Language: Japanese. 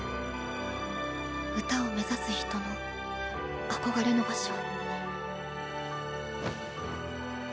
歌を目指す人の憧れの場所。